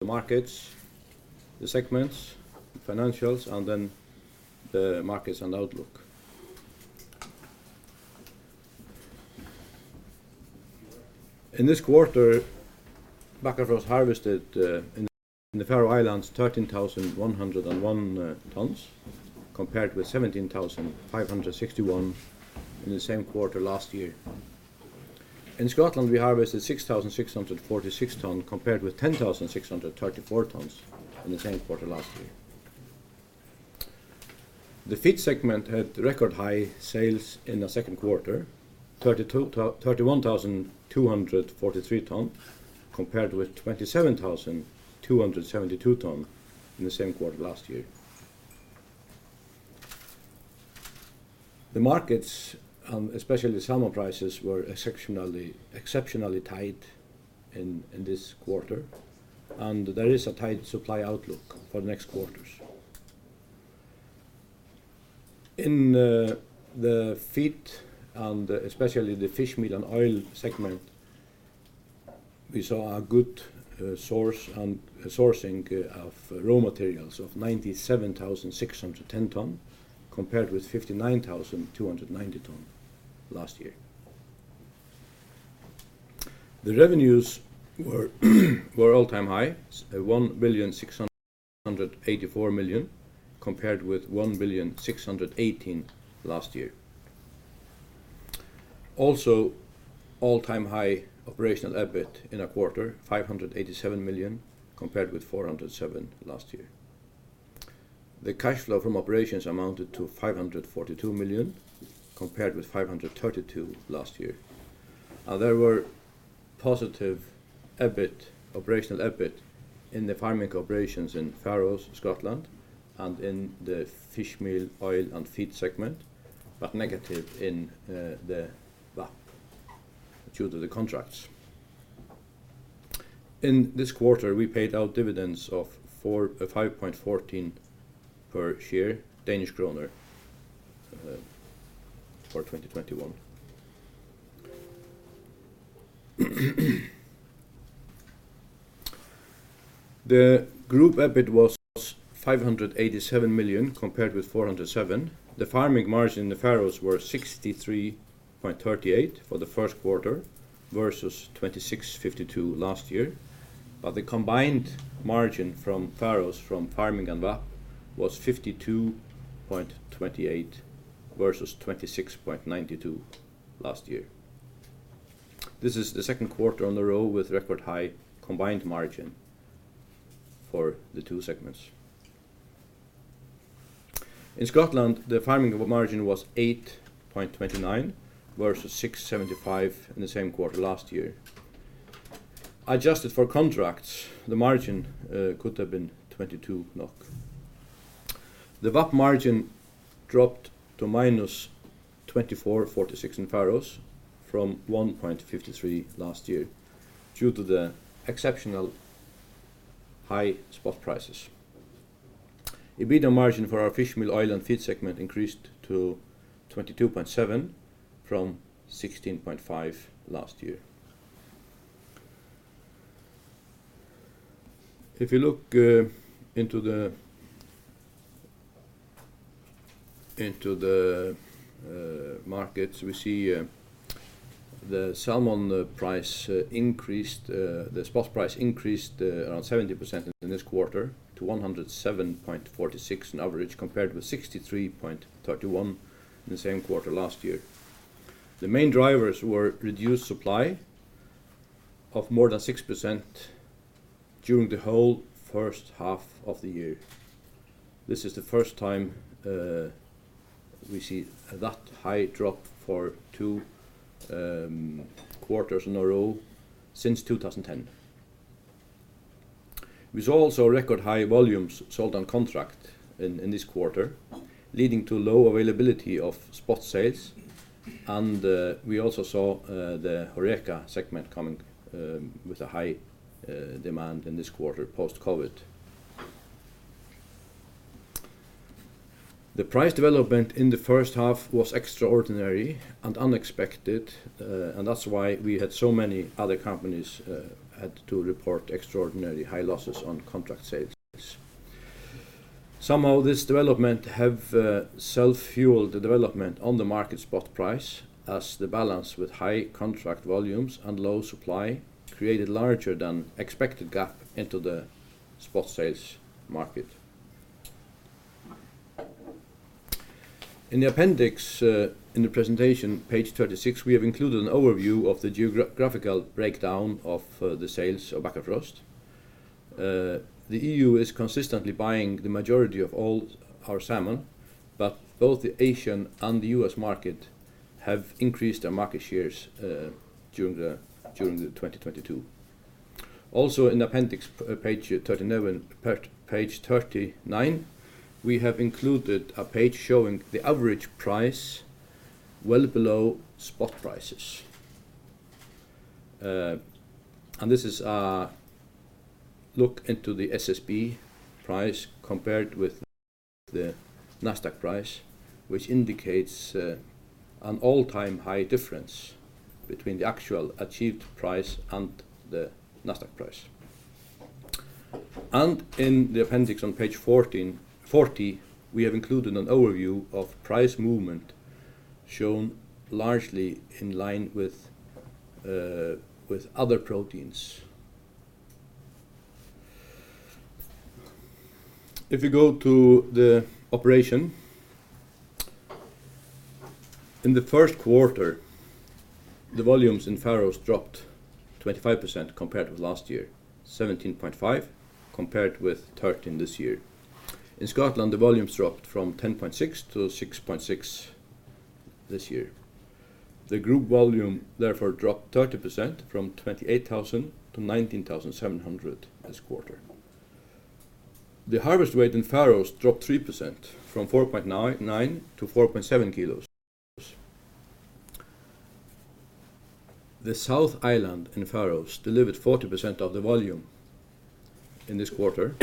The markets, the segments, financials, and then the markets and outlook. In this quarter, Bakkafrost harvested in the Faroe Islands 13,101 tons, compared with 17,561 in the same quarter last year. In Scotland, we harvested 6,646 tons, compared with 10,634 tons in the same quarter last year. The feed segment had record high sales in the second quarter, 31,243 tons, compared with 27,272 tons in the same quarter last year. The markets, especially salmon prices, were exceptionally tight in this quarter, and there is a tight supply outlook for the next quarters. In the feed and especially the fish meal and oil segment, we saw a good sourcing of raw materials of 97,610 tons, compared with 59,290 tons last year. The revenues were all-time high, 1,684 million, compared with 1,618 million last year. Also, all-time high operational EBIT in a quarter, 587 million, compared with 407 million last year. The cash flow from operations amounted to 542 million, compared with 532 million last year. There were positive EBIT, operational EBIT in the farming operations in Faroes, Scotland, and in the fish meal, oil, and feed segment, but negative in the VAP due to the contracts. In this quarter, we paid out dividends of 5.14 per share for 2021. The group EBIT was 587 million compared with 407 million. The farming margin in the Faroes was 63.38 for the first quarter versus 26.52 last year. The combined margin from Faroes, from farming and VAP, was 52.28 versus 26.92 last year. This is the second quarter in a row with record high combined margin for the two segments. In Scotland, the farming margin was 8.29 versus 6.75 in the same quarter last year. Adjusted for contracts, the margin could have been 22 NOK. The VAP margin dropped to minus 24.46 in Faroes from 1.53 last year due to the exceptionally high spot prices. EBITDA margin for our fish meal, oil, and feed segment increased to 22.7% from 16.5% last year. If you look into the markets, we see the salmon price increased, the spot price increased around 70% in this quarter to 107.46 on average, compared with 63.31 the same quarter last year. The main drivers were reduced supply of more than 6% during the whole first half of the year. This is the first time we see that high drop for two quarters in a row since 2010. We saw also record high volumes sold on contract in this quarter, leading to low availability of spot sales. We also saw the HORECA segment coming with a high demand in this quarter post-COVID. The price development in the first half was extraordinary and unexpected, and that's why we had so many other companies had to report extraordinary high losses on contract sales. Somehow this development have self-fueled the development on the market spot price as the balance with high contract volumes and low supply created larger than expected gap into the spot sales market. In the appendix, in the presentation, page 36, we have included an overview of the geographical breakdown of the sales of Bakkafrost. The EU is consistently buying the majority of all our salmon, but both the Asian and the U.S. market have increased their market shares during 2022. Also in appendix page 39, we have included a page showing the average price well below spot prices. This is a look into the SSB price compared with the NASDAQ price, which indicates an all-time high difference between the actual achieved price and the NASDAQ price. In the appendix on page 40, we have included an overview of price movement shown largely in line with other proteins. If you go to operations, in the first quarter, the volumes in Faroes dropped 25% compared with last year, 17.5 compared with 13 this year. In Scotland, the volumes dropped from 10.6-6.6 this year. The group volume therefore dropped 30% from 28,000-19,700 this quarter. The harvest weight in Faroes dropped 3% from 4.99 kilo-4.7 kilos. The South Island in Faroes delivered 40% of the volume in this quarter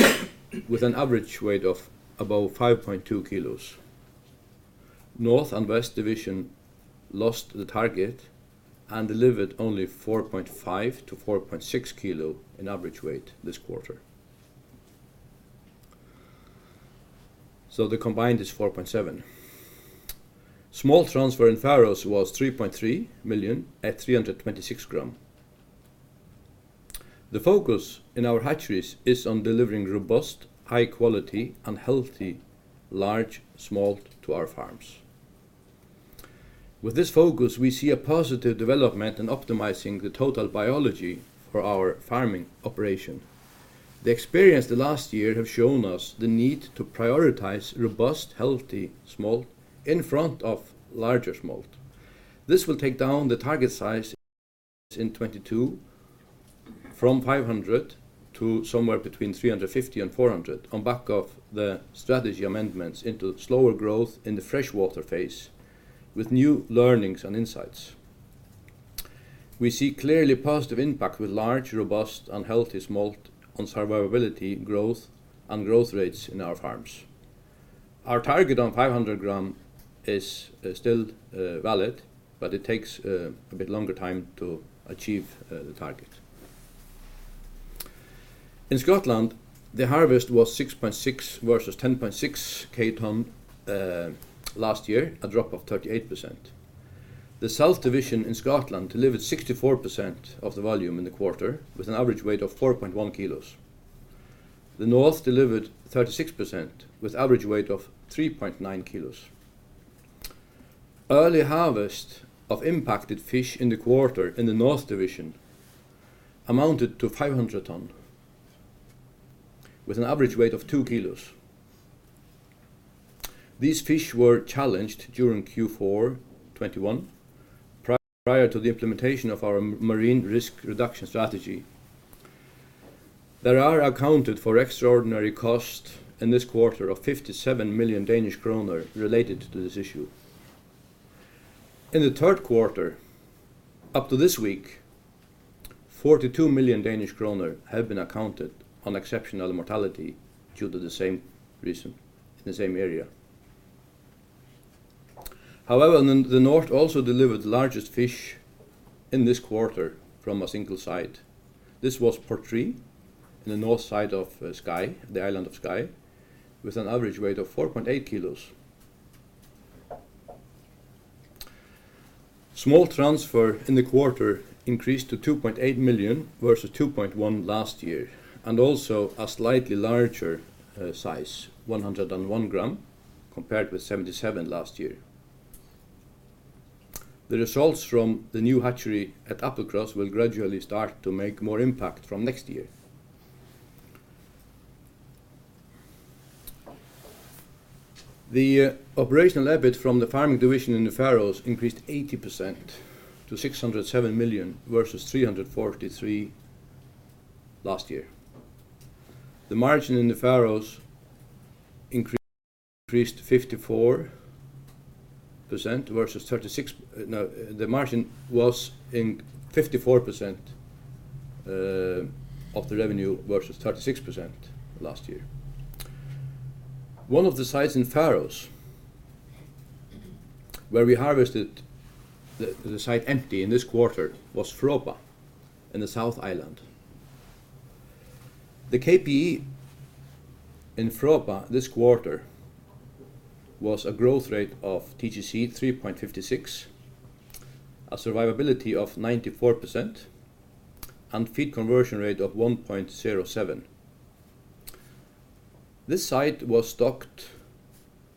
with an average weight of above 5.2 kilos. North and West Division lost the target and delivered only 4.5-4.6 kilo in average weight this quarter. The combined is 4.7. Smolt transfer in Faroes was 3.3 million at 326 g. The focus in our hatcheries is on delivering robust, high quality, and healthy, large smolt to our farms. With this focus, we see a positive development in optimizing the total biology for our farming operation. The experience the last year have shown us the need to prioritize robust, healthy smolt in front of larger smolt. This will take down the target size in 2022 from 500 to somewhere between 350 and 400 on back of the strategy amendments into slower growth in the freshwater phase with new learnings and insights. We see clearly positive impact with large, robust, and healthy smolt on survivability growth and growth rates in our farms. Our target on 500 g is still valid, but it takes a bit longer time to achieve the target. In Scotland, the harvest was 6.6 versus 10.6 k ton last year, a drop of 38%. The South Division in Scotland delivered 64% of the volume in the quarter with an average weight of 4.1 kilos. The North delivered 36% with average weight of 3.9 kilos. Early harvest of impacted fish in the quarter in the North Division amounted to 500 tons with an average weight of 2 kilos. These fish were challenged during Q4 2021 prior to the implementation of our marine risk reduction strategy. There are accounted for extraordinary cost in this quarter of 57 million Danish kroner related to this issue. In the third quarter, up to this week, 42 million Danish kroner have been accounted on exceptional mortality due to the same reason in the same area. However, in the North also delivered the largest fish in this quarter from a single site. This was Portree in the north side of Skye, the island of Skye, with an average weight of 4.8 kilos. Smolt transfer in the quarter increased to 2.8 million versus 2.1 last year, and also a slightly larger size, 101 g compared with 77 last year. The results from the new hatchery at Applecross will gradually start to make more impact from next year. The operational EBIT from the farming division in the Faroes increased 80% to 607 million versus 343 last year. The margin in the Faroes was 54% of the revenue versus 36% last year. One of the sites in Faroes where we harvested the site empty in this quarter was Fróða in the South Island. The KPI in Fróða this quarter was a growth rate of TGC 3.56, a survivability of 94%, and feed conversion rate of 1.07. This site was stocked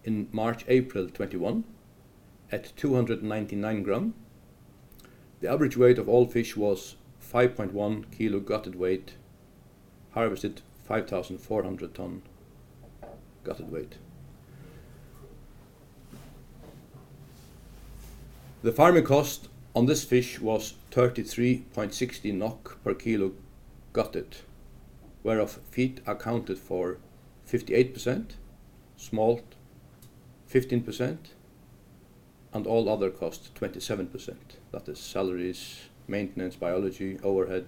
in March, April 2021 at 299 g. The average weight of all fish was 5.1 kilo gutted weight, harvested 5,400 ton gutted weight. The farming cost on this fish was 33.60 NOK per kilo gutted, whereof feed accounted for 58%, smolt 15%. All other costs, 27%. That is salaries, maintenance, biology, overhead,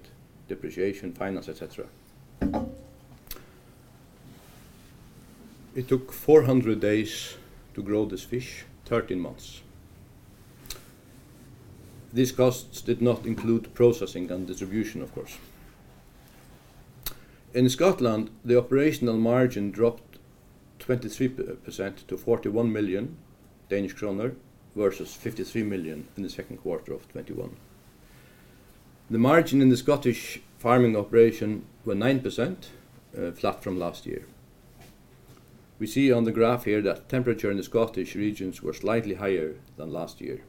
depreciation, finance, et cetera. It took 400 days to grow this fish, 13 months. These costs did not include processing and distribution, of course. In Scotland, the operational margin dropped 23% to 41 million Danish kroner versus 53 million in the second quarter of 2021. The margin in the Scottish farming operation were 9%, flat from last year. We see on the graph here that temperature in the Scottish regions were slightly higher than last year.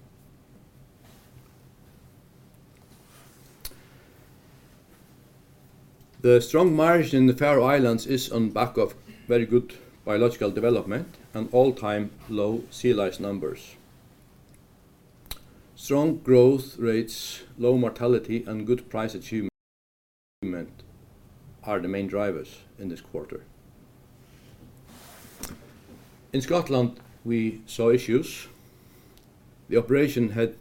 The strong margin in the Faroe Islands is on back of very good biological development and all-time low sea lice numbers. Strong growth rates, low mortality, and good price achievement are the main drivers in this quarter. In Scotland, we saw issues. The operation had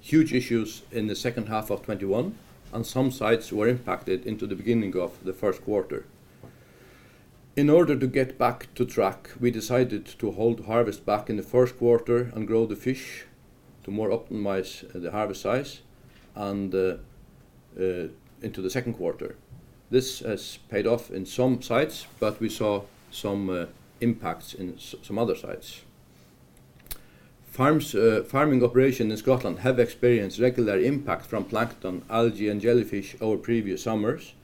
huge issues in the second half of 2021, and some sites were impacted into the beginning of the first quarter. In order to get back to track, we decided to hold harvest back in the first quarter and grow the fish to more optimize the harvest size and into the second quarter. This has paid off in some sites, but we saw some impacts in some other sites. Farms farming operation in Scotland have experienced regular impact from plankton, algae, and jellyfish over previous summers.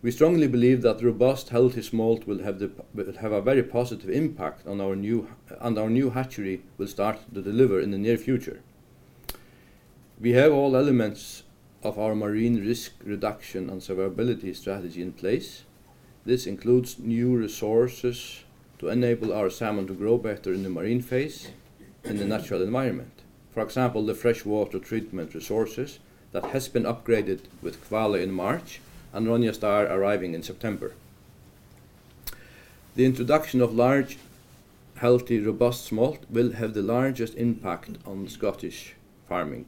We strongly believe that robust healthy smolt will have a very positive impact on our new and our new hatchery will start to deliver in the near future. We have all elements of our marine risk reduction and survivability strategy in place. This includes new resources to enable our salmon to grow better in the marine phase in the natural environment. For example, the fresh water treatment resources that has been upgraded with Aqua Kvaløy in March and Ronja Star arriving in September. The introduction of large, healthy, robust smolt will have the largest impact on Scottish farming.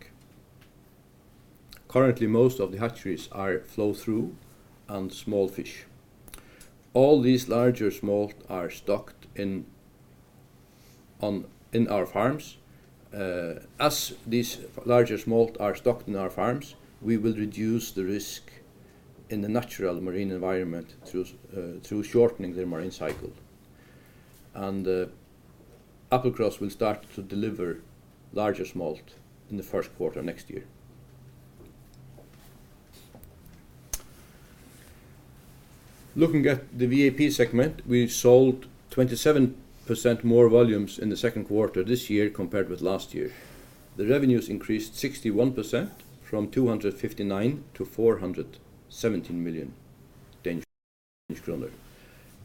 Currently, most of the hatcheries are flow through and small fish. All these larger smolt are stocked in our farms. As these larger smolt are stocked in our farms, we will reduce the risk in the natural marine environment through shortening their marine cycle. Applecross will start to deliver larger smolt in the first quarter next year. Looking at the VAP segment, we sold 27% more volumes in the second quarter this year compared with last year. The revenues increased 61% from 259 million-417 million Danish kroner.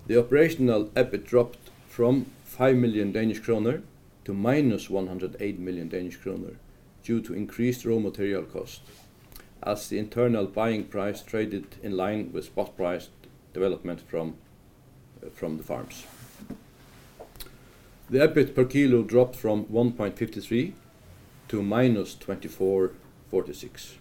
The operational EBIT dropped from 5 million Danish kroner-minus 108 million Danish kroner due to increased raw material costs as the internal buying price traded in line with spot price development from the farms. The EBIT per kilo dropped from DKK 1.53-minus DKK 24.46.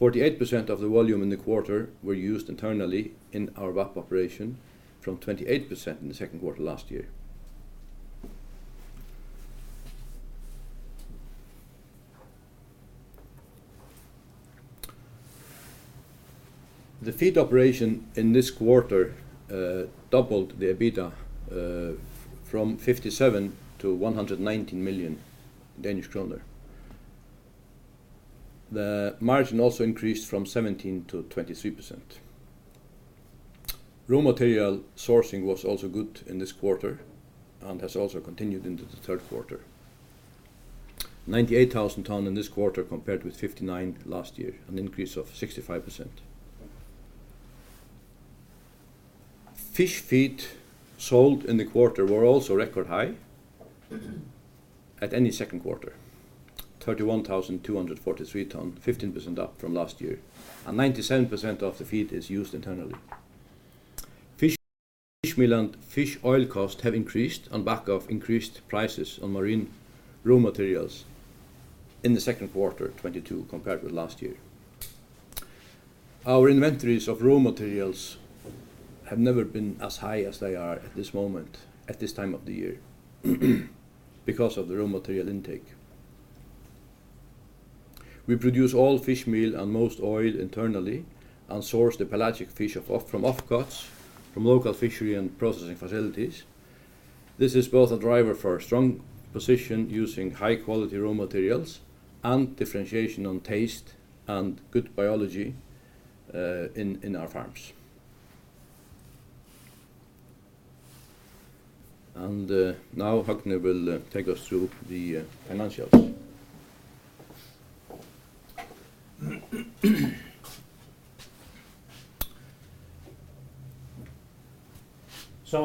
48% of the volume in the quarter were used internally in our VAP operation from 28% in the second quarter last year. The feed operation in this quarter doubled the EBITDA from 57 million-119 million Danish kroner. The margin also increased from 17%-23%. Raw material sourcing was also good in this quarter and has also continued into the third quarter. 98,000 tons in this quarter compared with 59,000 last year, an increase of 65%. Fish feed sold in the quarter were also record high at any second quarter, 31,243 tons, 15% up from last year, and 97% of the feed is used internally. Fish meal and fish oil costs have increased on the back of increased prices on marine raw materials in the second quarter 2022 compared with last year. Our inventories of raw materials have never been as high as they are at this moment, at this time of the year, because of the raw material intake. We produce all fish meal and most oil internally and source the pelagic fish from offcuts from local fishery and processing facilities. This is both a driver for a strong position using high quality raw materials and differentiation on taste and good biology in our farms. Now Høgni will take us through the financials.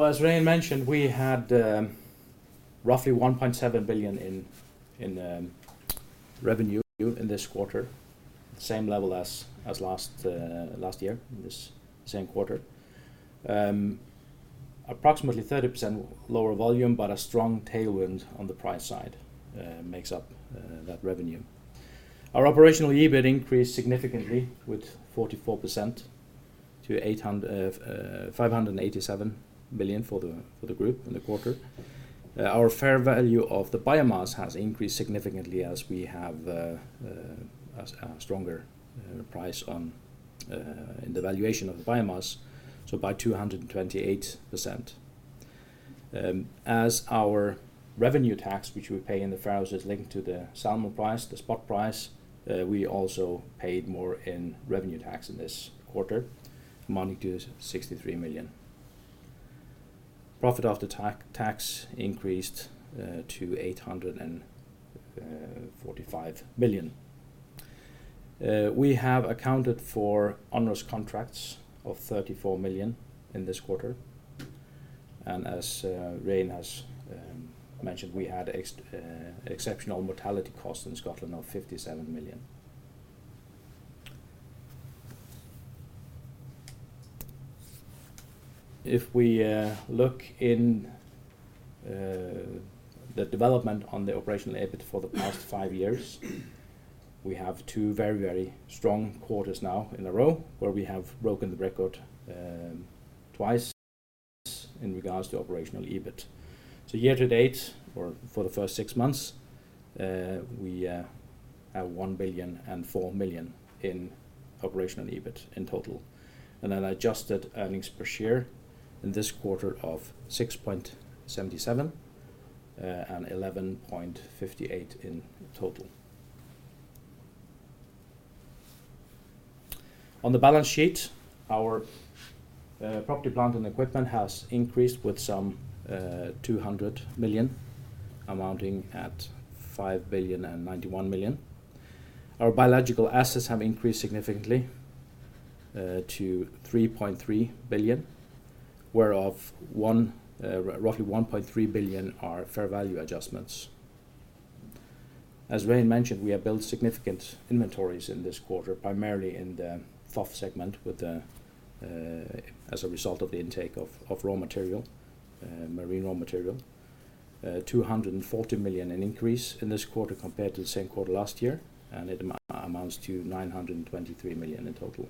As Regin mentioned, we had roughly 1.7 billion in revenue in this quarter, same level as last year in this same quarter. Approximately 30% lower volume, but a strong tailwind on the price side makes up that revenue. Our operational EBIT increased significantly with 44% to 587 million for the group in the quarter. Our fair value of the biomass has increased significantly as we have a stronger price in the valuation of the biomass, so by 228%. As our revenue tax, which we pay in the Faroes, is linked to the salmon price, the spot price, we also paid more in revenue tax in this quarter, amounting to 63 million. Profit after tax increased to 845 million. We have accounted for onerous contracts of 34 million in this quarter, and as Regin has mentioned, we had exceptional mortality costs in Scotland of DKK 57 million. If we look in the development on the operational EBIT for the past five years, we have two very, very strong quarters now in a row where we have broken the record twice in regards to operational EBIT. Year to date or for the first six months, we have 1,004 million in operational EBIT in total, and an adjusted earnings per share in this quarter of 6.77 and 11.58 in total. On the balance sheet, our property, plant and equipment has increased with some 200 million, amounting at 5.091 billion. Our biological assets have increased significantly to 3.3 billion, whereof roughly 1.3 billion are fair value adjustments. As Regin mentioned, we have built significant inventories in this quarter, primarily in the FOF segment as a result of the intake of raw material, marine raw material. 240 million an increase in this quarter compared to the same quarter last year, and it amounts to 923 million in total.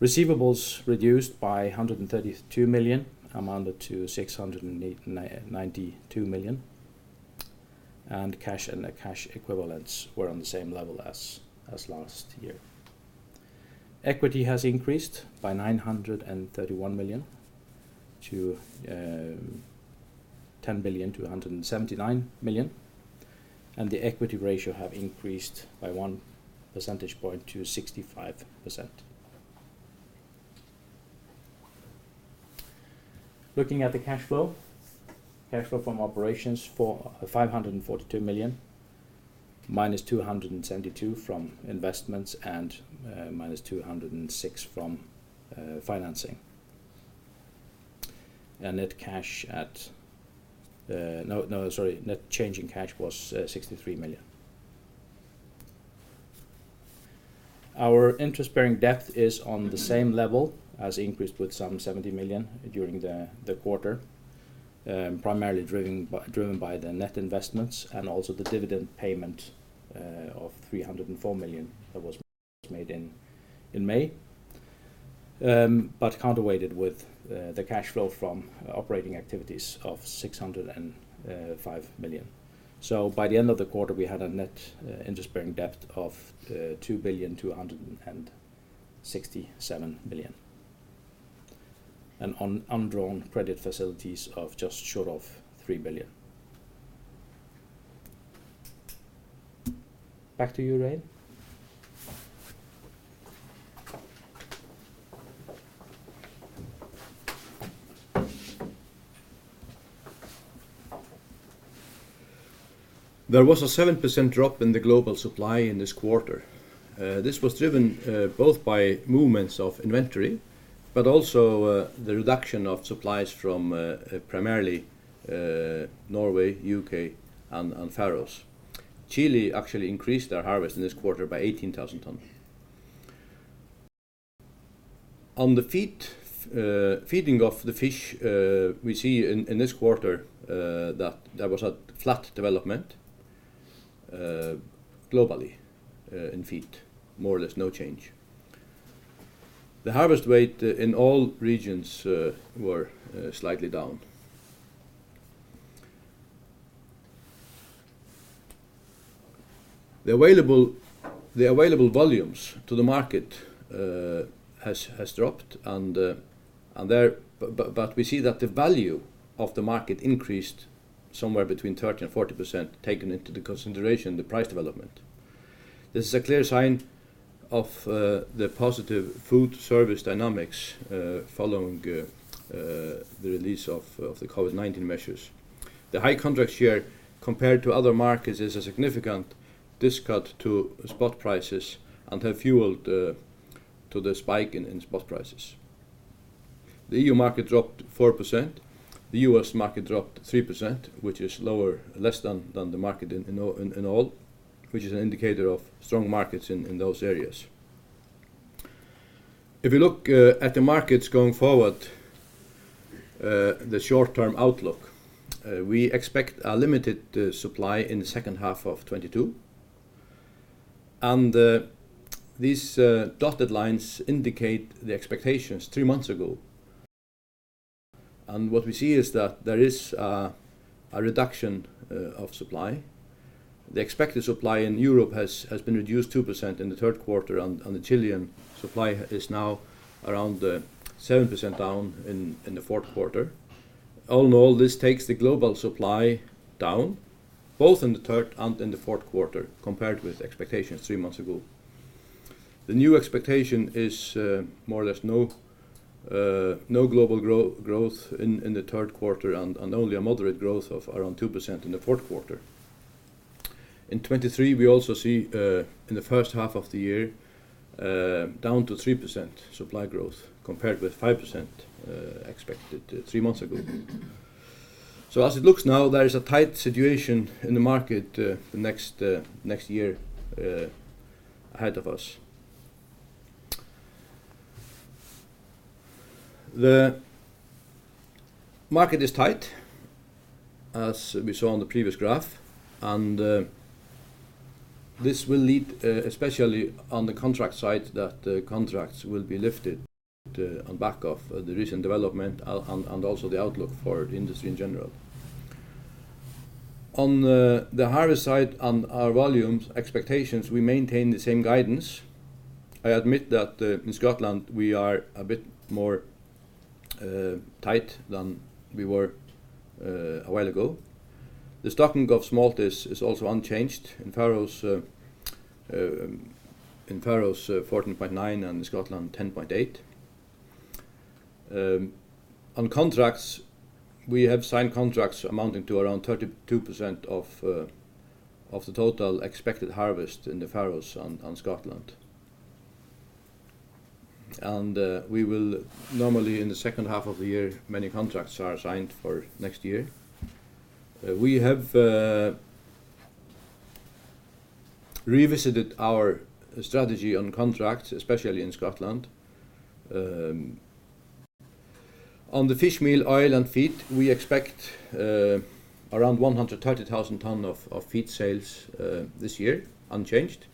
Receivables reduced by 132 million, amounted to 689 million. Cash and cash equivalents were on the same level as last year. Equity has increased by 931 million-10,179 million, and the equity ratio have increased by one percentage point to 65%. Looking at the cash flow. Cash flow from operations of 542 million, minus 272 million from investments, and minus 206 million from financing. Net change in cash was 63 million. Our interest-bearing debt is on the same level as increased with 70 million during the quarter, primarily driven by the net investments and also the dividend payment of 304 million that was made in May. Counterweighted with the cash flow from operating activities of 605 million. By the end of the quarter, we had a net interest-bearing debt of 2.267 billion and undrawn credit facilities of just short of 3 billion. Back to you, Regin. There was a 7% drop in the global supply in this quarter. This was driven both by movements of inventory, but also the reduction of supplies from primarily Norway, U.K., and Faroes. Chile actually increased their harvest in this quarter by 18,000 tons. On the feeding of the fish, we see in this quarter that there was a flat development globally in feed. More or less no change. The harvest weight in all regions were slightly down. The available volumes to the market has dropped but we see that the value of the market increased somewhere between 30% and 40% taken into consideration the price development. This is a clear sign of the positive food service dynamics following the release of COVID-19 measures. The high contract share compared to other markets is a significant discount to spot prices and have fueled to the spike in spot prices. The EU market dropped 4%, the U.S. market dropped 3%, which is lower, less than the market in oil, which is an indicator of strong markets in those areas. If you look at the markets going forward, the short-term outlook, we expect a limited supply in the second half of 2022. These dotted lines indicate the expectations three months ago. What we see is that there is a reduction of supply. The expected supply in Europe has been reduced 2% in the third quarter and the Chilean supply is now around 7% down in the fourth quarter. All in all, this takes the global supply down, both in the third and in the fourth quarter compared with expectations three months ago. The new expectation is more or less no global growth in the third quarter and only a moderate growth of around 2% in the fourth quarter. In 2023, we also see in the first half of the year down to 3% supply growth compared with 5% expected three months ago. As it looks now, there is a tight situation in the market the next year ahead of us. The market is tight, as we saw on the previous graph, and this will lead, especially on the contract side, that contracts will be lifted on back of the recent development and also the outlook for industry in general. On the harvest side and our volumes expectations, we maintain the same guidance. I admit that in Scotland, we are a bit more tight than we were a while ago. The stocking of smolt is also unchanged. In the Faroes, 14.9 and in Scotland 10.8. On contracts, we have signed contracts amounting to around 32% of the total expected harvest in the Faroes and Scotland. We will normally, in the second half of the year, many contracts are signed for next year. We have revisited our strategy on contracts, especially in Scotland. On the fish meal, oil, and feed, we expect around 130,000 tons of feed sales this year, unchanged.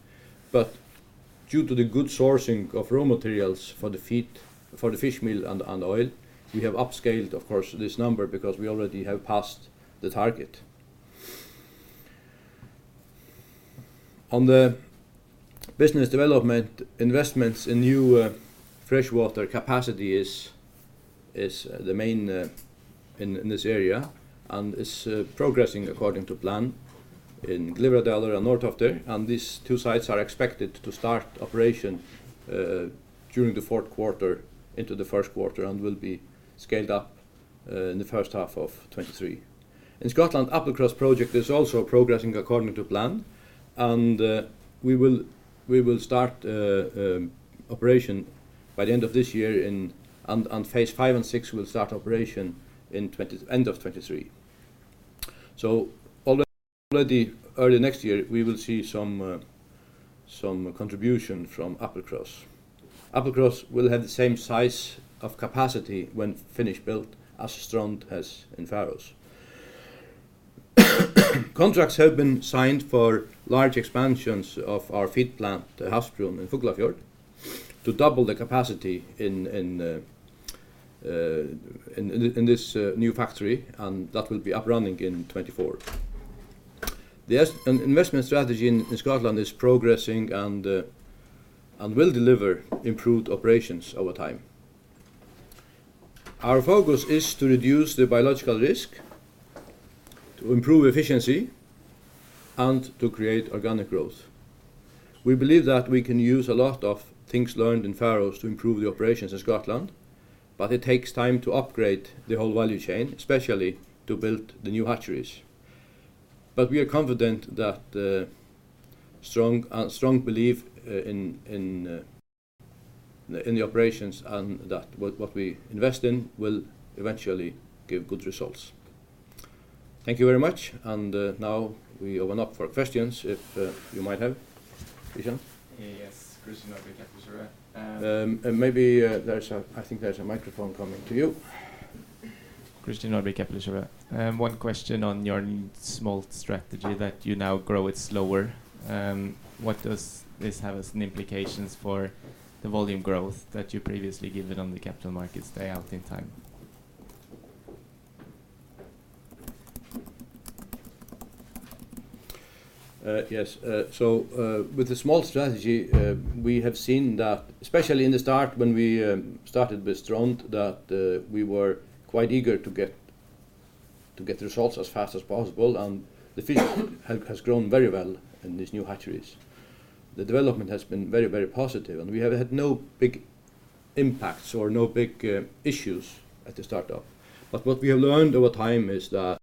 Due to the good sourcing of raw materials for the fish meal and oil, we have upscaled, of course, this number because we already have passed the target. On the business development investments in new freshwater capacity is the main in this area and is progressing according to plan in Glyvradal and Norðtoftir, and these two sites are expected to start operation during the fourth quarter into the first quarter and will be scaled up in the first half of 2023. In Scotland, Applecross project is also progressing according to plan, and we will start operation by the end of this year and phase V and VI will start operation end of 2023. So already early next year, we will see some contribution from Applecross. Applecross will have the same size of capacity when finished built as Strond in Faroes. Contracts have been signed for large expansions of our feed plant, Havsbrún in Fuglafjørð, to double the capacity in this new factory, and that will be up and running in 2024. Investment strategy in Scotland is progressing and will deliver improved operations over time. Our focus is to reduce the biological risk, to improve efficiency, and to create organic growth. We believe that we can use a lot of things learned in Faroes to improve the operations in Scotland, but it takes time to upgrade the whole value chain, especially to build the new hatcheries. We are confident that strong belief in the operations and that what we invest in will eventually give good results. Thank you very much. Now we open up for questions if you might have. Christian? Yes. Christian Olsen Nordby, Kepler Cheuvreux. Maybe, I think there's a microphone coming to you. Christian Olsen Nordby, Kepler Cheuvreux. One question on your smolt strategy that you now grow it slower. What does this have as implications for the volume growth that you previously given on the capital markets way out in time? Yes. With the smolt strategy, we have seen that, especially in the start when we started with Strond, that we were quite eager to get results as fast as possible, and the fish has grown very well in these new hatcheries. The development has been very, very positive, and we have had no big impacts or no big issues at the start-up. What we have learned over time is that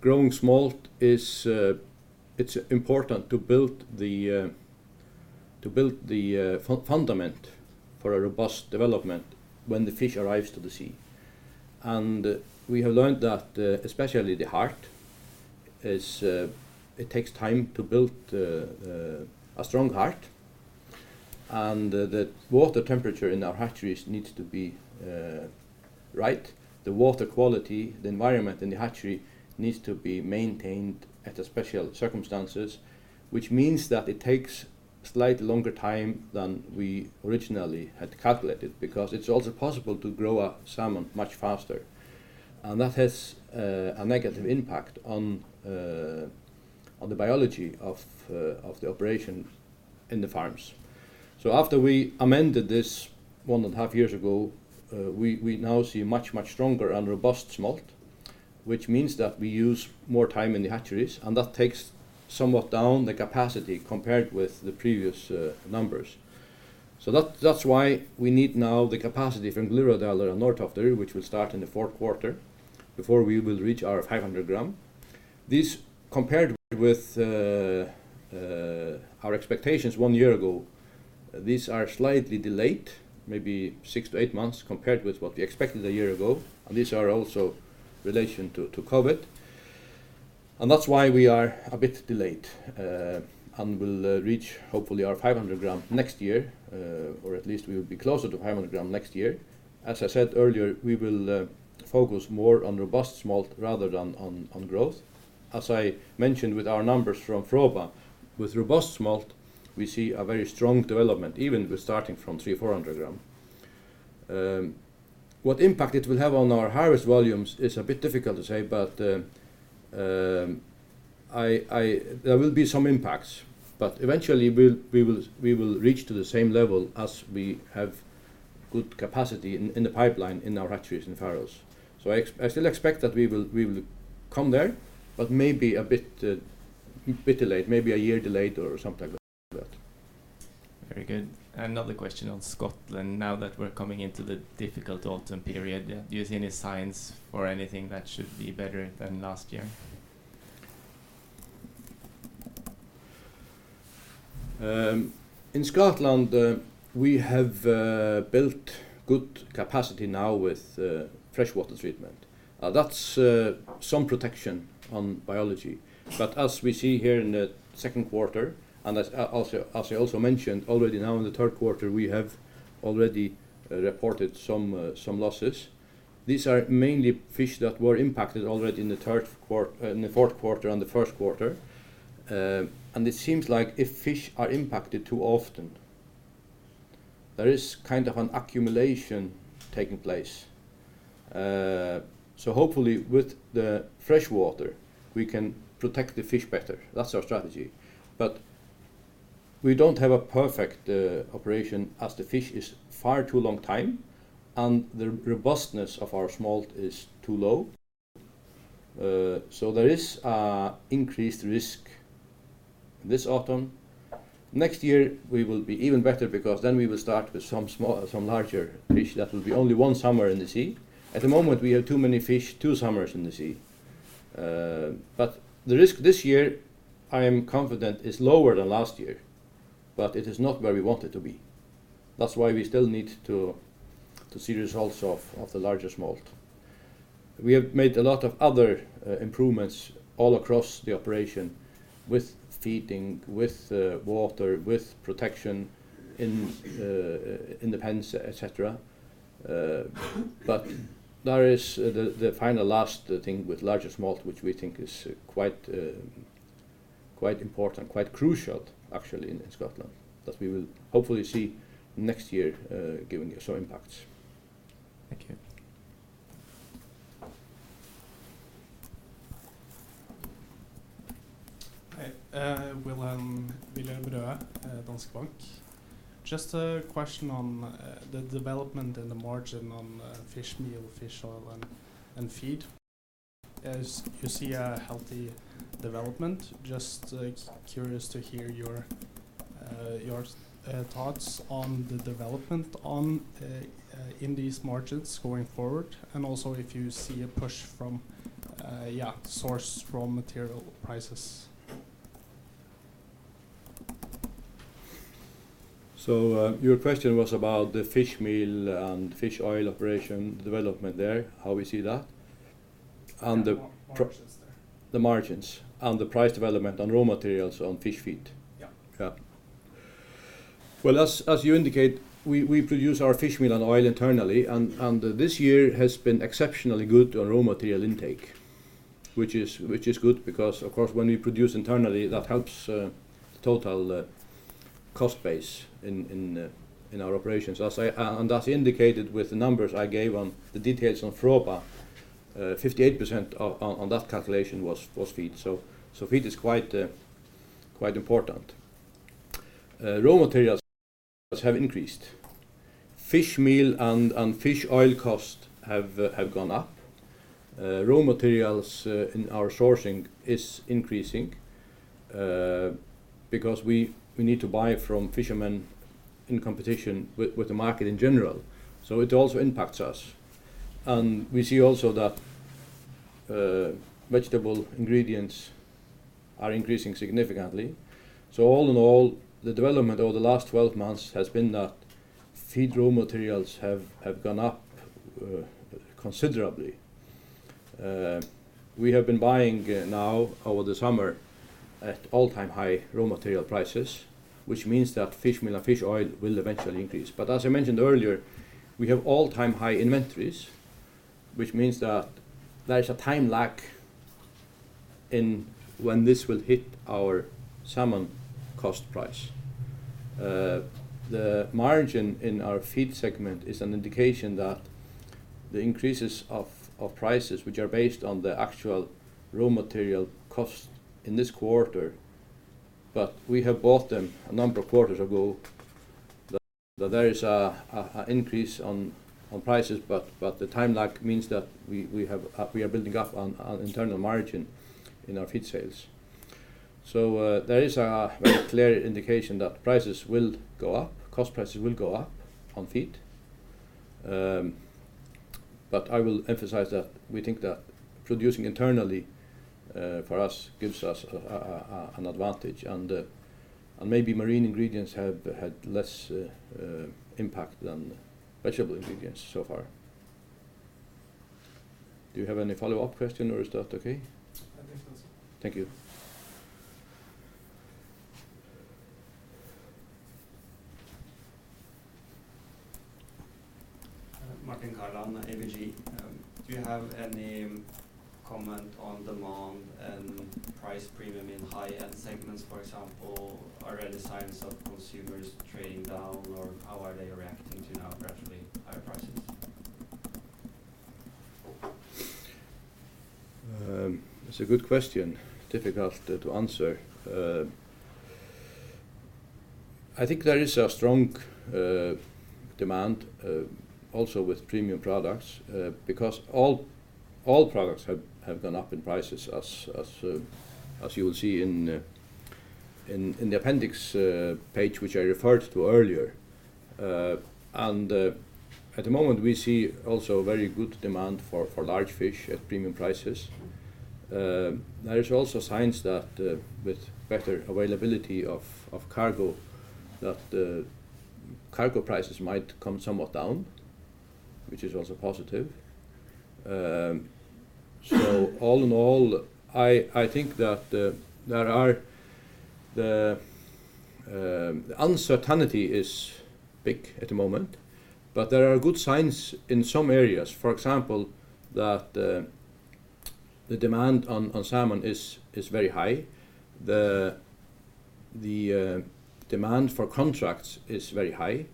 growing smolt is important to build the fundament for a robust development when the fish arrives to the sea. We have learned that especially the heart it takes time to build a strong heart. The water temperature in our hatcheries needs to be right. The water quality, the environment in the hatchery needs to be maintained at special circumstances, which means that it takes slightly longer time than we originally had calculated, because it's also possible to grow a salmon much faster. That has a negative impact on the biology of the operation in the farms. After we amended this one and a half years ago, we now see much stronger and robust smolt, which means that we use more time in the hatcheries, and that takes somewhat down the capacity compared with the previous numbers. That's why we need now the capacity from Glyvradal and Norðtoftir, which will start in the fourth quarter before we will reach our 500 g. This compared with our expectations one year ago. These are slightly delayed, maybe six-eight months compared with what we expected a year ago, and these are also related to COVID. That's why we are a bit delayed, and we'll reach hopefully our 500 g next year, or at least we will be closer to 500 g next year. As I said earlier, we will focus more on robust smolt rather than on growth. As I mentioned with our numbers from Fróða, with robust smolt, we see a very strong development even with starting from 300 g-400 g. What impact it will have on our harvest volumes is a bit difficult to say. There will be some impacts, but eventually we will reach to the same level as we have good capacity in the pipeline in our hatcheries in Faroes. I still expect that we will come there, but maybe a bit late, maybe a year delayed or something like that. Very good. Another question on Scotland. Now that we're coming into the difficult autumn period, do you see any signs for anything that should be better than last year? In Scotland, we have built good capacity now with freshwater treatment. That's some protection on biology. As we see here in the second quarter, and as I also mentioned already now in the third quarter, we have already reported some losses. These are mainly fish that were impacted already in the fourth quarter and the first quarter. It seems like if fish are impacted too often, there is kind of an accumulation taking place. Hopefully with the freshwater, we can protect the fish better. That's our strategy. We don't have a perfect operation as the fish is far too long time, and the robustness of our smolt is too low. There is an increased risk this autumn. Next year we will be even better because then we will start with some larger fish that will be only one summer in the sea. At the moment, we have too many fish, two summers in the sea. The risk this year, I am confident, is lower than last year, but it is not where we want it to be. That's why we still need to see results of the larger smolt. We have made a lot of other improvements all across the operation with feeding, with water, with protection in the pens, et cetera. There is the final last thing with larger smolt, which we think is quite important, quite crucial actually in Scotland, that we will hopefully see next year, giving us some impacts. Thank you. Hey. Wilhelm Røe, Danske Bank. Just a question on the development in the margin on fish meal, fish oil and feed. As you see a healthy development, just like curious to hear your thoughts on the development in these margins going forward and also if you see a push from soaring raw material prices. Your question was about the fish meal and fish oil operation development there, how we see that? Yeah. Margins there. The margins and the price development on raw materials on fish feed? Yeah. Yeah. Well, as you indicate, we produce our fish meal and oil internally and this year has been exceptionally good on raw material intake, which is good because, of course, when we produce internally, that helps the total cost base in our operations. As indicated with the numbers I gave on the details on Fróða, 58% on that calculation was feed. Feed is quite important. Raw materials have increased. Fish meal and fish oil cost have gone up. Raw materials in our sourcing is increasing. Because we need to buy from fishermen in competition with the market in general, so it also impacts us. We see also that vegetable ingredients are increasing significantly. All in all, the development over the last 12 months has been that feed raw materials have gone up considerably. We have been buying now over the summer at all-time high raw material prices, which means that fish meal and fish oil will eventually increase. But as I mentioned earlier, we have all-time high inventories, which means that there is a time lag in when this will hit our salmon cost price. The margin in our feed segment is an indication that the increases of prices, which are based on the actual raw material cost in this quarter, but we have bought them a number of quarters ago, that there is an increase on prices, but the time lag means that we are building up on internal margin in our feed sales. There is a very clear indication that prices will go up, cost prices will go up on feed. But I will emphasize that we think that producing internally for us gives us an advantage and maybe marine ingredients have had less impact than vegetable ingredients so far. Do you have any follow-up question or is that okay? I think that's it. Thank you. Martin Kaland, ABG Sundal Collier. Do you have any comment on demand and price premium in high-end segments? For example, are there any signs of consumers trading down, or how are they reacting to now gradually higher prices? That's a good question. Difficult to answer. I think there is a strong demand also with premium products, because all products have gone up in prices as you will see in the appendix page which I referred to earlier. At the moment we see also very good demand for large fish at premium prices. There is also signs that with better availability of cargo, that cargo prices might come somewhat down, which is also positive. All in all, I think that there are. The uncertainty is big at the moment, but there are good signs in some areas. For example, the demand on salmon is very high. The demand for contracts is very high.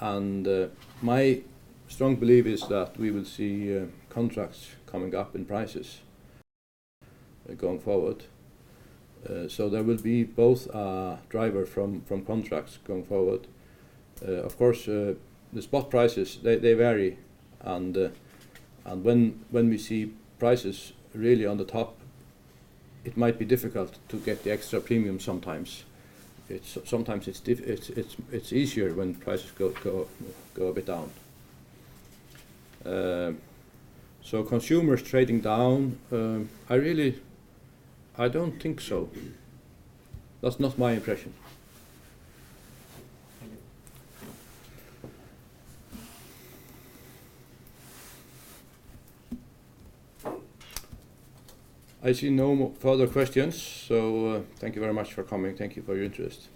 My strong belief is that we will see contracts coming up in prices going forward. So there will be both a driver from contracts going forward. Of course, the spot prices, they vary, and when we see prices really on the top, it might be difficult to get the extra premium sometimes. Sometimes it's easier when prices go a bit down. So consumers trading down, I really don't think so. That's not my impression. I see no more further questions, so thank you very much for coming. Thank you for your interest.